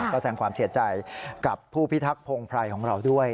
ก็แสงความเสียใจกับผู้พิทักษงภัยของเราด้วย